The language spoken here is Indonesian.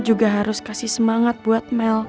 juga harus kasih semangat buat mel